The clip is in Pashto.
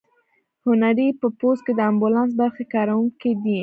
هنري په پوځ کې د امبولانس برخې کارکوونکی دی.